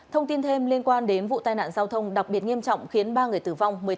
thông tin thêm liên quan đến vụ tai nạn giao thông đặc biệt nghiêm trọng khiến ba người tử vong